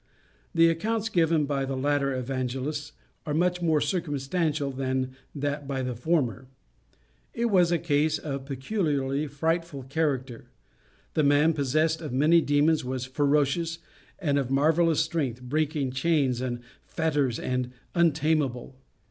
The accounts given by the latter Evangelists are much more circumstantial than that by the former. It was a case of peculiarly frightful character. The man, possessed of many demons, was ferocious, and of marvellous strength, breaking chains and fetters, and untameable.